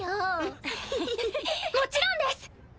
もちろんです！